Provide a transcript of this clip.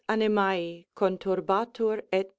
animal Conturbatur, et....